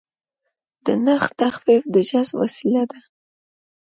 د نرخ تخفیف د جذب وسیله ده.